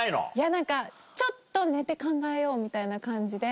何かちょっと寝て考えようみたいな感じで。